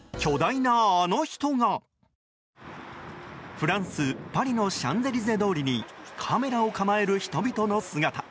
フランス・パリのシャンゼリゼ通りにカメラを構える人々の姿。